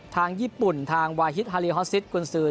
ทางญี่ปุ่นทางวาฮิตฮาลีฮอสซิสกุญสือ